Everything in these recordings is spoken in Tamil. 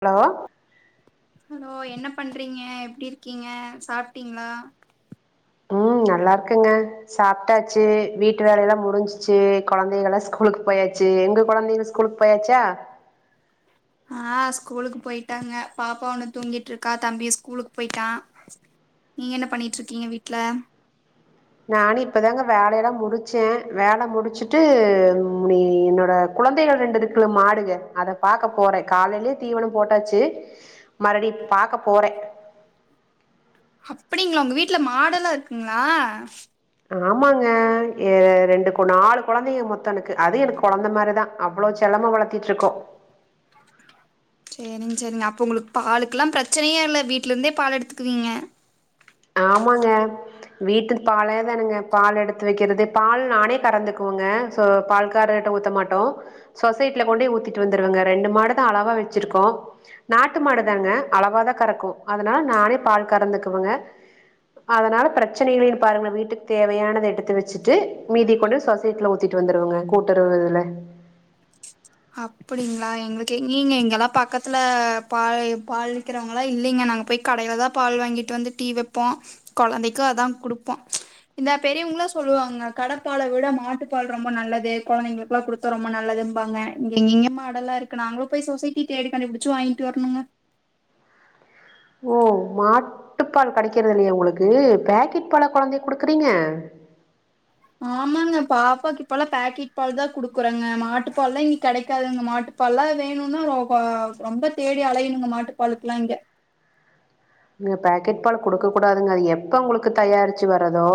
ஹலோ ஹலோ என்ன பண்றீங்க எப்டி இருக்கீங்க சாப்டீங்ளா ம் நல்லாருக்கங்க சாப்ட்டாச்சு வீட்டு வேலையெல்லா முடிஞ்ச்சு கொழந்தைக எல்லா ஸ்கூலுக்கு போயாச்சு எங்க கொழந்தைக ஸ்கூலுக்குப் போயாச்சா ஆ ஸ்கூலுக்கு போய்ட்டாங்க பாப்பா ஒண்ணு தூங்கிட்ருக்கா தம்பியு ஸ்கூலுக்கு போய்ட்டா நீங்க என்ன பண்ணிட்ருக்கீங்க வீட்ல நானு இப்பதாங்க வேலயெல்லா முடிச்ச வேல முடிச்சுட்டு இனி என்னோட கொழந்தைகள் ரெண்டுருக்குள்ள மாடுங்க அதப் பாக்க போறே காலலயே தீவனம் போட்டாச்சு மருடி பாக்க போற அப்படிங்ளா உங்க வீட்ல மாடெல்லா இருக்குங்ளா ஆமாங்க ஏ ரெண்டு கு நாலு கொழந்தைங்க மொத்த எனக்கு அது எனக்கு கொழந்த மாரிதா அவ்ளோ செல்லமா வளத்திட்ருக்கோ சேரிங் சேரிங்க அப்போ ஒங்களுக்கு பாலுக்குல்லாம் பிரச்சனயே இல்ல வீட்லருந்தே பால் எடுத்துக்குவீங்க ஆமாங்க வீட்டு பாலையே தானுங்க பால் எடுத்து வைக்கிறது பால் நானே கறந்துக்குவங்க சோ பால்காருகிட்ட ஊத்த மாட்டோ சொசைட்ல கொண்டே ஊத்திட்டு வந்துருவங்க ரெண்டு மாடுதா அளவா வச்சிருக்கோ நாட்டு மாடுதாங்க அளவாதா கறக்கு அதனால நானே பால் கறந்துக்குவங்க அதனால பிரச்சன இல்லியேனு பாருங்க்ளே வீட்டுக் தேவையானத எடுத்து வச்சிட்டு மீதி கொண்டு சொசைட்ல ஊத் திட்டு வந்துருவங்க கூட்டுறவு இதுல அப்டிங்க்ளா எங்களுக்கு எங்கிங்க இங்கெல்லா பக்கத்துல பாலி பால் விக்கிறவங்களா இல்லிங்க நாங்க போய் கடையிலதா பால் வாங்கிட்டு வந்து டீ வப்போ கொழந்தைக்கு அதா குடுப்போ இந்தப் பெரியவங்க்ளா சொல்வாங்க கட பால விட மாட்டுப்பால் ரொம்ப நல்லது கொழந்தைங்களுக்லா குடுத் தா ரொம்ப நல்லதும்பாங்க இங்க எங்கிங்க மாடல்லா இருக்கு நாங்களு போய் சொசைட்டி தேடிக்கண்டுப்புடிச்சு வாங்கிட்டு வரணுங்க ஓ மாட்டுப்பால் கடைக்கிறது இல்லியா ஒங்களுக்கு பேக்கெட் பாலா கொழந்தைக்கு குடுக்றீங்க ஆமாங்க பாப்பாக்கிப்பெல்லா பேக்கெட் பால்தா குடுக்குறங்க மாட்டுப்பால்லா இங்க கெடைக்காதுங்க மாட்டுப் பால்லா வேணும்னா ர வ ரொம்ப தேடி அலையணுங்க மாட்டுப்பாலுக்லா இங்க ங்க பேக்கெட் பால குடுக்க கூடாதுங்க எப்ப ஒங்க்ளுக்கு தயாரிச்சு வரதோ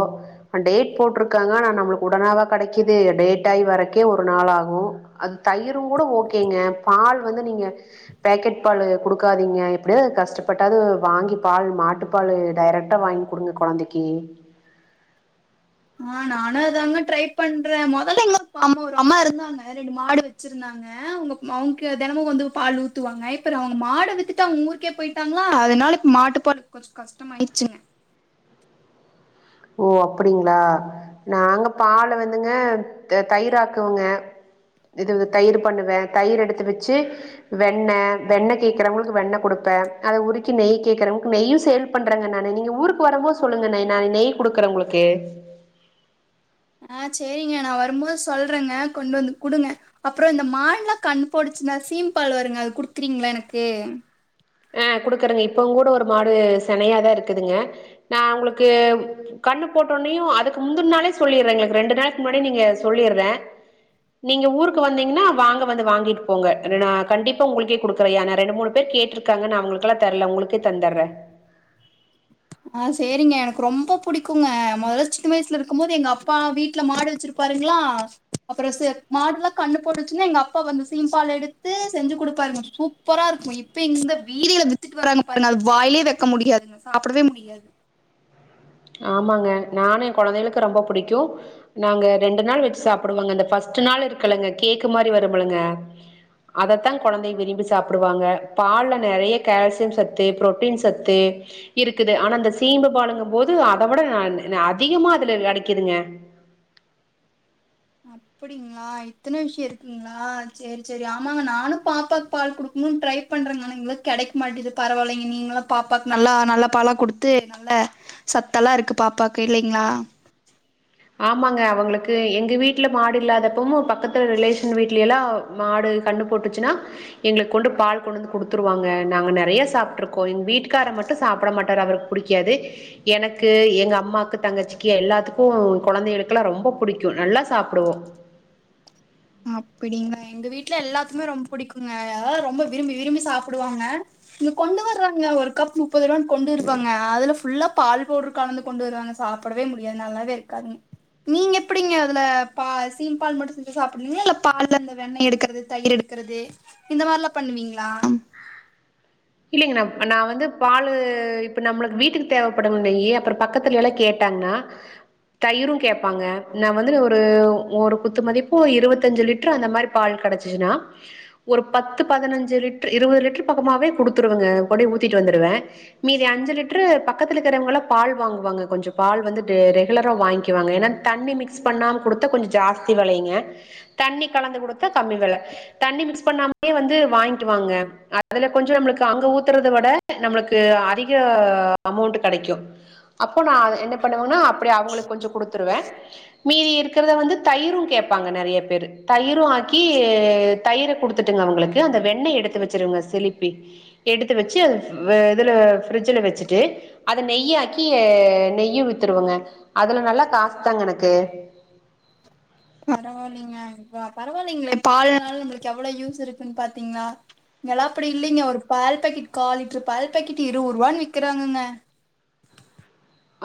ஆ டேட் போட்ருக்காங்க ஆனா நம்மளுக்கு உடனாவா கடைக்கிது டேட் ஆகி வரைக்கே ஒரு நாள் ஆகு அது தயிருங்கூட ஓகேங்க பால் வந்து நீங்க பேக்கெட் பாலு குடுக்காதீங்க எப்டியாது கஷ்டப்பட்டாது வாங்கி பால் மாட்டு பாலு டைரட்டா வாங்கி குடுங்க கொழந்தைக்கி ஆ நானு அதாங்க ட்ரைப் பண்ற மொதல்ல இங்க ஒரு [unintelligible] அம்மா இருந்தாங்க ரெண்டு மாடு வச்சிருந்தா ங்க அவங்க மொவங்க தெனமு வந்து பால் ஊத்துவாங்க இப்பறோ அவங்க மாடு வித்துட்டு அவங்க ஊருக்கே போய் ட்டாங்களா அதனாலப் இப்ப மாட்டுப்பாலுக் கொஞ்சோ கஷ்டமாயிருச்சுங்க ஓ அப்டிங்ளா நாங்க பால வந்துங்க த தயிராக்குவங்க இது வ தயிர் பண்ணுவே தயிர் எடுத்து வச்சு வெண்ண வெண்ண கேக்றவங்களுக்கு வெண்ண குடுப்ப அத உருக்கி நெய் கேக்றவங்களுக்கு நெய்யு சேல் பண்றங்க நானு நீங்க ஊருக்கு வரும்போது சொல்லுங்க நை நாய் நெய் குடுக்குற ஒங்க்ளுக்கு ஆ சேரிங்க நா வரும்போது சொல்றங்க கொண்டு வந்து குடுங்க அப்றோ இந்த மாடுலா கன்னு போடுச்னா சீம்பால் வருங்க அது குடுக்குறீங்க்ளா எனக்கு ஆ குடுக்குறங்க இப்பங் கூட ஒரு மாடு செனையாதா இருக்குதுங்க நா உங்க்ளுக்கு ம் கண்ணு போட்டோனையு அதுக்கு முந்துன்னாளே சொல்லிறேங்க ரெண்டு நாளுக்கு முன்னாடி நீங்க சொல்லிறே நீங்க ஊருக்கு வந்தீங்க்ன்னா வாங்க வந்து வாங்கிட்டு போங்க ரெண் ஆ என்னனா கண்டிப்பா உங்க்ளுக்கே குடுக்குறே ஏனா ரெண்டு மூணு பேர் கேட்ரு க்காங்க நா அவங்களுக்குல்லா தர்ல உங்களுக்கே தந்தர்றே ஆ சேரிங்க எனக்கு ரொம்ப புடிக்குங்க மொதல சின்ன வயசுல இருக்கும்போது எங்க அப்பா வீட்ல மாடு வச்சிருப் பாருங்ளா அப்புறோ சே மாடுல்லா கன்னு போடுச்சின்னா எங்க அப்பா வந்து சீம்பால் எடுத்து செஞ்சு குடுப்பாருங்க சூப் பரா இருக்கு இப்ப இங்க வீதியில வித்துட்டு வராங்க பாருங்கல அது வாயிலே வக்க முடியாதுங்க சாப்பிடவே முடியாது ஆமாங்க நானு என் கொழந்தைகளுக்கு ரொம்ப புடிக்கு நாங்க ரெண்டு நாள் வெச்சு சாப்பிடுவோங்க இந்த பஸ்ட் நாள் இருக்குல்லங்க கேக்கு மாரி வருமுல்லங்க அதரத்தா கொழந்தைங்க விரும்பி சாப்பிடுவாங்க பாலுல நெறைய கால்சியம் சத்து புரோட்டீன் சத்து இருக்குது ஆனா அந்த சீம்பு பாலுங்கும்போது அத விட அதிகமா அதுல கெடைக்குதுங்க அப்டிங்களா இத்தன விஷியோ இருக்குங்க்ளா சேரி சேரி ஆமாங்க நானு பாப்பாவுக்கு பால் குடுக்ணுன்னு ட்ரை பண்ணறங்க ஆனா இங்கெல்லா கெடைக்க மாட்டுது பரவால்லிங்க நீங்களா பாப்பாக்கு நல்லா நல்ல பாலா குடுத்து சத்தல்லா இருக்கு பாப்பாக்கு இல்லைங்க்ளா ஆமாங்க அவங்ளுக்கு எங்க வீட்ல மாடு இல்லாதப்பமு பக்கத்து ரிலேஷன் வீட்ல எல்லா மாடு கண்னு போட்டுச்சுன்னா எங்ளுக் கொண்டு பால் கொண்டுந்து குடுத்துருவாங்க நாங்க நறைய சாப்ட்ருக்கோ எங்க வீட்டு்கார மட்டு சாப்பட மாட்டாரு அவரு புடிக்காது எனக்கு எங்க அம்மாக்கு தங்கச்சிக்கு எல்லாத்துக்கு கொழந்தைகளுக்லா ரொம்போ புடிக்கு நல்லா சாப்டுவோ அப்பிடிங்ளா எங்க வீட்ல எல்லாத்துமே ரொம்ப புடிக்குங்க அதாவது ரொம்ப விரும்பி விரும்பி சாப்டுவாங்க இங்க கொண்டு வர்றாங்க ஒரு கப் முப்பது ரூவான் கொண்டு இருப்பாங்க அதுல ஃபுல்லா பால் பவுட்ரு கலந்து கொண்டு வருவாங்க சாப்படவே முடியாது நல்லாவே இருக்காதுங் நீங்க எப்டிங்க அதுல பா சீம்பால் மட்டு செஞ்சு சாப் [unintelligible] இல்ல பால்ல இந்த வெண்ணெய் எடுக்கறது தயிர் எடுக்கறது இந்த மார்லா பண்ணுவீங்ளா இல்லைங்ணா நா வந்து பாலு இப்ப நம்மளுக்கு வீட்டுக்கு தேவப்படுங்லியே அப்புற பக்கத்துல எல்லா கே ட்டாங்னா தயிரு கேபாங்க நா வந்து ஒரு ஒரு குத்து மதிப்பு ஒரு இருவத்தஞ்சு லிட்டர் அந்த மார் பால் கெடச்சிச்சின்னா ஒரு பத்து பதினஞ்சு லிட்டரு இருவது லிட்டர் பக்கமாவே குடுத் துருவங்க கொண்டி ஊத்திட்டு வந்துருவே மீதி அஞ்சு லிட்ரு பக்கத்துல இருக்கிறவங்களா பால் வாங்குவாங்க கொஞ்சோ பால் வந்துட்டு ரெகுலரா வாங்கிவாங்க ஏன்னா தண்ணி மிக்ஸ் பண்ணாம குடுத்தா கொஞ்ச ஜாஸ்தி வெலைங்க தண்ணி கலந்து குடுத்தா கம்மி வெல தண்ணி மிக்ஸ் பண்ணாமே வந்து வாங்கி வாங்க அதுல கொஞ்ச நம்ளுக் அங்க ஊத்துறத விட நம்ளுக்கு அதிக அமௌண்ட்டு கெடைக்கு அப்போ நா என்ன பண்ணுவேன்னா அப்டி அவங்களுக் கொஞ்ச குடுத்துருவே மீதி இருக்கிறத வந்து தயிரு கேட்பாங்க நறைய பேரு தயிரு ஆக்கி தயிர குடுத்துட்டுங்க அவுங்ளுக்கு அந்த வெண்ணெய் எடுத்து வச்சிருவேங்க சிலிப்பி எடுத்து வச்சி அது இதுல ஃபிரிஜில வச்சுட்டு அத நெய்யாக்கி நெய்யு வித்துருவங்க அதுல நல்லா காசு தாங்க எனக்கு பரவாயில்லைங்க இப்ப பரவாயில்லைங்ளே பால்னால நம்ளுக் எவ்ளோ யூஸ் இருக்குன் பாத்தீங்ளா இங்கெல்லா அப்டி இல்லைங்க ஒரு பால் பாக்கெட் கால் லிட்ரு பால் பாக்கெட் இருபது ரூவான்னு விக்கிறாங்கங்க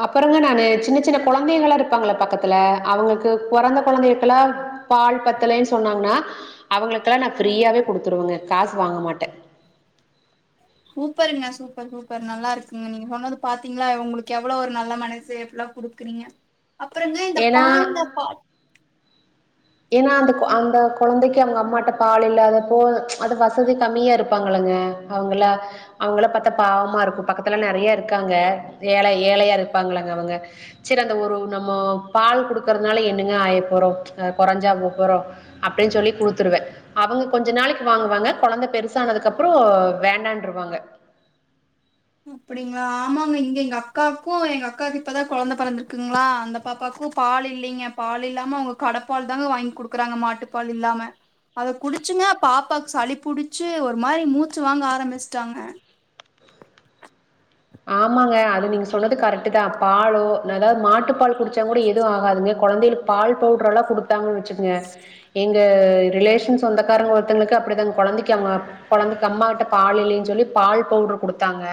அப்புறங்க நானு௱சின்ன சின்ன கொழந்தைகள்லா இருப்பாங்கள பக்கத்துல அவங்களுக்கு பொறந்த கொழந்தைக்கெல்லா பால் பத்தலேன் சொன்னாங்னா அவங்களுக்லா ஃப்ரீயாவே குடுத்துருவங்க காசு வாங்க மாட்டே சூப்பருங்க சூப்பர் சூப்பர் நல்லா இருக்குங்க நீங்க சொன்னது பாத்தீங்ளா உங்ளுக்கு எவ்ளோ ஒரு நல்ல மனசு எவ்ளோ குடுக்குறீங்க அப்புறங்க இந்த ஏன்னா பால்ல பா ஏன்னா அந்த அந்த கொழந்தைக்கி அவங்க அம்மாட்ட பால் இல்லாத போ அது வசதி கம்மியா இருப்பாங்களங்க அவுங்களா அவங்கள பாத்தா பாவமா இருக்கு பக்கத்துல நறையா இருக்காங்க ஏழை ஏழையா இருப்பாங்களங்க அவங்க செரி அந்த ஒரு நம்ம பால் குடுக்கறதுனால என்னங்க ஆய போறோ அ கொறஞ்சா போ போறோ அப்டின் சொல்லி குடுத்துருவே அவங்க கொஞ்ச நாளைக் வாங்குவாங்க கொழந்த பெருசானதுக்கு அப்றோ வேண்டான்ட்ருவாங்க அப்டிங்ளா ஆமாங்க இங்க எங்க அக்காக்கு எங்க அக்காக்கு இப்பதா கொழந்த பிறந்தருக்குங்ளா அந்த பாப்பாக்கு பால் இல்லைங்க பால் இல்லாம அவுங்க கடப்பால் தாங்க வாங்கி குடுக்குறாங்க மாட்டு பால் இல்லாம அத குடிச்சிங்க பாப்பாக் சளி புடிச்சி ஒரு மாரி மூச்சு வாங்க ஆரம்பிச்ட்டாங்க ஆமாங்க அது நீங்க சொன்னது கரெக்ட்டு தா பாலோ அதாவது மாட்டு பால் குடிச்சாங் கூட எது ஆகாதுங்க கொழந்தைகளுக் பால் பவுடர் எல்லா குடுத்தாங்கன் வச்சுக்ங்க எங்க ரிலேஷன் சொந்தக்காரங்க ஒருத்தங்களுக்கு அப்டிதாங்க கொழந்தைக்கி அவங்க கொழந்தைக்கு அம்மா கிட்ட பால் இல்லைன் சொல்லி பால் பவுடர் குடுத்தாங்க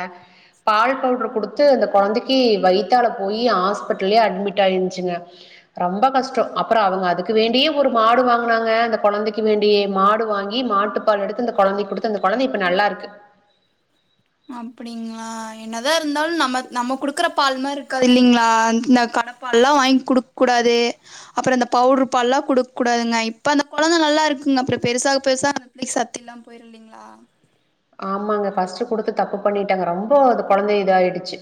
பால் பவுட்ரு குடுத்து அந்த கொழந்தைக்கு வைத்தால போயி ஹாஸ்பிட்டல்லே அட்மிட் ஆயிருன்சுங்க ரொம்ப கஷ்டோ அப்புற அவுங்க அதுக்கு வேண்டியே ஒரு மாடு வாங்னாங்க அந்த கொழந்தைக்கு வேண்டியே மாடு வாங்கி மா த்தப்பால் எடுத்து அந்த கொழந்தைக் குடுத்து அந்த கொழந்த இப்ப நல்லாருக்கு நம் புளி அப்டிங்ளா என்னதா இருந்தாலும் நம்ம நம்ம குடுக்கற பால் மாரி இருக்காது இல்லைங்ளா இந் இந்த கடப்பால்லா வாய்ங் குடுக் கூடாது அப்புறம் இந்த பவுட்ரு பால்லா குடுக் கூடாதுங்க இப்ப அந்த கொழந்த நல்லா இருக்குங்க அப்புறம் பெருசாக பெருசாக அந்த புள்ளைக்கு சத்தி இல்லாம போய் போயிரும் இல்லைங்ளா ஆமாங்க ஃபர்ஸ்ட்டு குடுத்து தப்பு பண்ணிட்டேங்க ரொம்ப அது கொழந்தைய இதாயிடுச்சு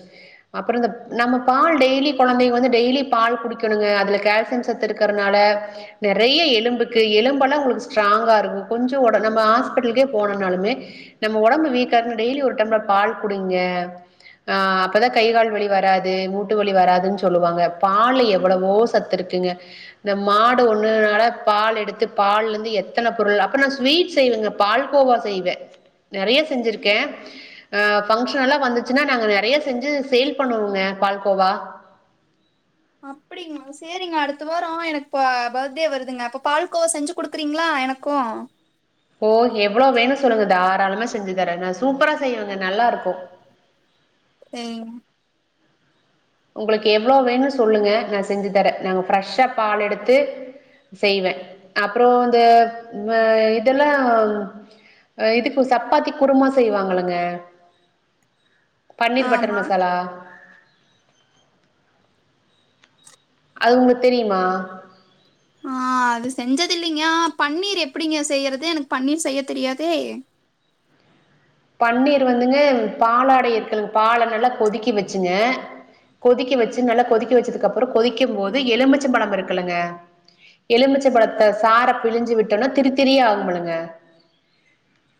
அப்புறம் இந்த நம்ம பால் டெய்லி கொழந்தைங்க வந்து டெய்லி பால் குடிக்கணுங்க அதுல கால்சியம் சத் து இருக்கறனால நெறைய எலும்புக்கு எலும்பெல்லா உங்களுக்கு ஸ்ட்ராங்கா இருக்கும் கொஞ்சம் உட நம்ம ஹாஸ்பிட்டலுக்கே போனோம்னாலுமே நம்ம ஒடம்பு வீக்கா இருந்தா டெய்லி ஒரு டம்பளர் பால் குடிங்க ஆ அப்பதா கை கால் வலி வராது மூட்டுவலி வராதுன் சொல்லுவாங்க பால் எவ்வளவோ சத் து இருக்குங்க இந்த மாடு ஒண்ணுனால பால் எடுத்து பால்லந்து எத்தன பொருள் அப்ப நா ஸ்வீட் செய்வங்க பால்கோவா செய்வ நெறைய செஞ்சிருக்கே ஆ ஃபங்க்ஷன் எல்லா வந்துச்சுன்னா நாங்க நெறையா செஞ்சு சேல் பண்ணுவோங்க பால்கோவா அப்டிங்ளா சேரிங்க அடுத்த வாரம் எனக் இப்ப பர்த்டே வருதுங்க அப்ப பால்கோவா செஞ்சு குடுக்குறீங்ளா எனக்கும் ஓ எவ்ளோ வேணு சொல்லுங்க தாராளமா செஞ்சு தர நா சூப்பரா செய்வேங்க நல்லாருக்கும் செய்ங்க உங்களுக்கு எவ்ளோ வேணும் சொல்லுங்க நா செஞ்சு தர நாங்க ஃப்ரெஷ்ஷா பால் எடுத்து செய்வ அப்புறம் இந்த ஆ இதெல்லா அ இதுக்கு சப்பாத்திக் குருமா செய்வாங்களங்க பன்னீர் பட்டர் ஆமா மசாலா அது உங்க தெரியுமா ஆ அது செஞ்சது இல்லீங்கா ஆ பன்னீர் எப்படிங்க செய்யறது எனக்கு பன்னீர் செய்ய தெரியாதே பன்னீர் வந்துங்க பாலாடை இருக்குங்க பால நல்லா கொதிக்கி வச்சுங்க கொதிக்க வச்சு நல்லா கொதிக்க வச்சதுக்கு அப்புறம் கொதிக்கும் போது எலுமிச்சம் பழம் இருக்குலங்க எலுமிச்ச பழத்த சார பிழிஞ்சு விட்டோம்னா திரித்திரியாகும் இல்லங்க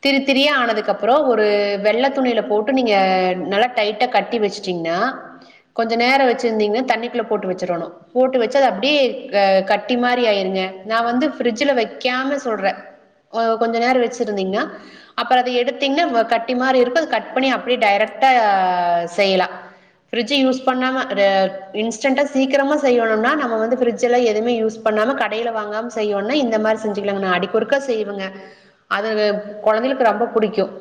திரித்திரியா ஆனதுக்கு அப் அப்புறோ ஒரு வெள்ள துணில போட்டு நீங்க நல்லா டைட்டா கட்டி வெஷ்ட்டீங்ன்னா கொஞ்சோ நேரோ வெச்சுருந்தீங்க தண்ணிக்குள்ள போட்டு வெச்சுரணு போட்டு வச்சு அது அப்டியே அ கட்டி மாரி ஆயிருங்க நா வந்து ஃபிரிட்ஜில வெக்காம சொல்ற ஓ கொஞ்ச நேர் வச்சிருந்தீங்ன்னா அப்ப அத எடுத் த்தீங்ன்னா கட்டி மாரி இருக்கும் அது கட் பண்ணி அப்டியே டேரெக்டா செய்லா ஃப்ரிட்ஜ்ஜி யூஸ் பண்ணாம இன்ஸ்டண்டா சீக்கிரமா செய்யணும்னா நம்ம வந்து ஃப்ரிட்ஜ்ல எதுமே யூஸ் பண்ணாம கடையில வாங்காம செய்றோம்னா இந்த மாரி செஞ்சுக்கலாங்க அடிக்கொருக்கா செய்வங்க அதுவே கொழந்தைகளுக்கு ரொம்ப புடிக்கும்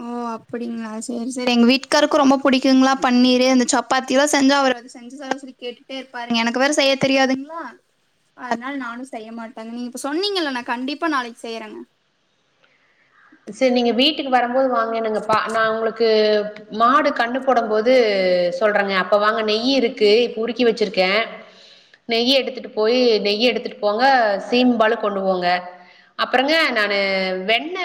ஓ அப்படிங்ளா சேரி சேரி எங்க வீட்டு்காருக்கும் ரொம்ப புடிக்குங்ளா பன்னீரு இந்த சப்பாத்தில்லா செஞ்சா அவரு வந்து செஞ்சி தா சொல்லி கேட்டுட்டே இருப்பாரு எனக்கு வேற செய்ய தெரியாதுங்ளா அதனால நானும் செய்ய மாட்டேங்க நீங்க இப்ப சொன்னீங்கல்ல நா கண்டிப்பா நாளைக் செய்றங் செர் நீங்க வீட்டுக்கு வரும்போது வாங்க நீங்க பா நா உங்ளுக்கு மாடு கன்னு போடும் போது சொல்றங்க அப்ப வாங்க நெய் இருக்கு இப்ப உருக்கி வெச்சிருக்க நெய் எடுத்துட்டு போயி நெய் எடுத்துட்டு போங்க சீம்பாலு கொண்டு போங்க அப்பறங்க நானு வெண்ண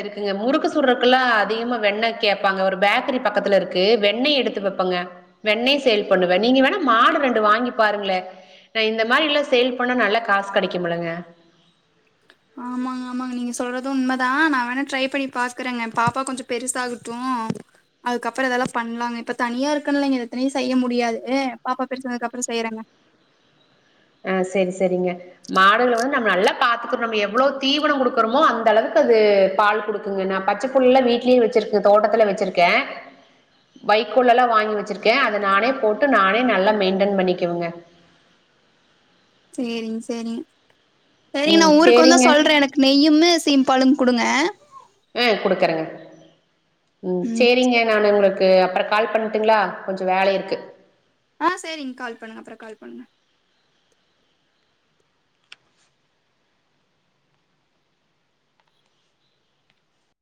இருக்குங்க முறுக்கு சுடுறக்கல்லா அதிகமா வெண்ண கேப்பாங்க ஒரு பேக்கரி பக்கத்துல இருக்கு வெண்ணய் எடுத்து வப்பங்க வெண்ணெய் சேல் பண்ணுவே நீங்க வேணா மாடு ரெண்டு வாங்கி பாருங்ளே நா இந்த மாரிலா சேல் பண்ணா நல்லா காஸ் கெடைக்குமுலங்க ஆமாங்க ஆமாங்க நீங்க சொல்றது உண்மதா நா வேணா ட்ரை பண்ணி பாக்குறேங்க பாப்பா கொஞ்சோ பெருசாகட்டு அதுக்கப்பறோ இதல்லா பண்லாங்க இப்ப தனியா இருக்கன்லங்க இது இத்தனையு செய்ய முடியாது பாப்பா பெருசானதுக்கு அப்பறோ செய்யறங்க அ சரி சரிங்க மாடுகள வந்து நம்ம நல்லா பாத்துக்குர்னு நம்ம எவ்ளோ தீவனோ குடுக்கறமோ அந்த அளவுக்கு அது பால் குடுக் குங்க நா பச்சப் புல்லா வீட்லயே வச்சுருக்கே தோட்டத்துல வச்சுருக்கே வைக்கோல்லல்லா வாங்கி வச்சுருக்கே அத நானே போட்டு நானே நல்லா மெயின்டென் பண்ணிக்குவங்க சேரிங் சேரிங் சேரிங்க நா ம் ஊருக்கு வந்தா சேரிங்க சொல்றே எனக் நெய்யும்மு சீம்பாலும் குடுங்க அ குடுக்குறங்க ம் சேரிங்க நானு உங்களுக் க்கு அப்ற கால் பண்ட்டுங்ளா கொஞ்ச வேலை இருக்கு அ சேரிங் கால் பண்ணுங்க அப்ற கால் பண்ணுங்க